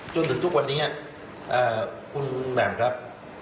จนถึงทุกวันนี้คุณแหม่มครับ